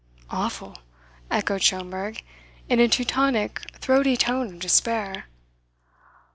"Awful," echoed Schomberg, in a Teutonic throaty tone of despair.